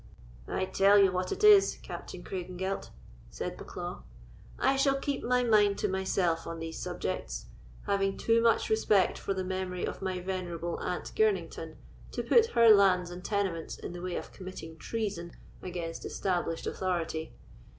"I tell you what it is, Captain Craigengelt," said Bucklaw; "I shall keep my mind to myself on these subjects, having too much respect for the memory of my venerable Aunt Girnington to put her lands and tenements in the way of committing treason against established authority.